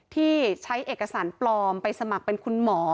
ที่ใช้เอกสารปลอมไปสมัครเป็นคุณหมอ